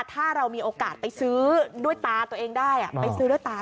ถ้าเรามีโอกาสไปซื้อด้วยตาตัวเองได้ไปซื้อด้วยตา